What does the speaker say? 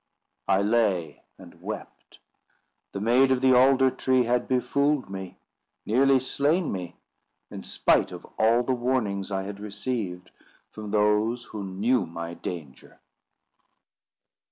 I lay and wept. The Maid of the Alder tree had befooled me—nearly slain me—in spite of all the warnings I had received from those who knew my danger.